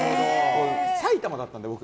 埼玉だったので、僕。